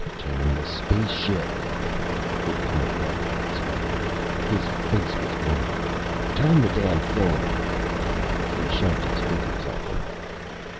"Turn the spaceship!" It was Moriarty who had spoken. His face was white. "Turn the damned thing!" He shoved his figures at them.